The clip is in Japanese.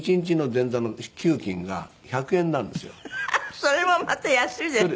それもまた安いですね。